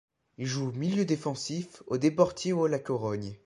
Il joue milieu défensif au Deportivo La Corogne.